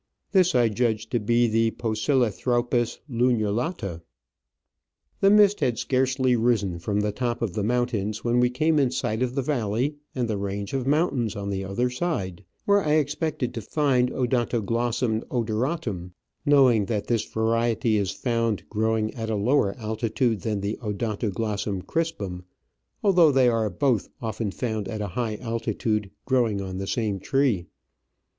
This I judged to be the Poecilothraupis lunulata. The mist had scarcely risen from the top of the mountains when we came in sight of the valley and range of mountains on the other side, where I expected to find Odontoglossum odoratum, knowing that this variety is found growing at a lower altitude than the Odontoglossum crisptim, although they are both often found at a high altitude growing on the same tree.